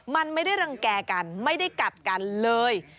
มันไม่ได้รังแก่กันไม่ได้กัดกันเลย